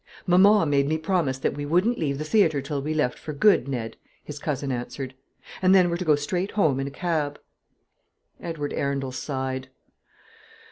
"Mamma made me promise that we wouldn't leave the theatre till we left for good, Ned," his cousin answered; "and then we're to go straight home in a cab." Edward Arundel sighed.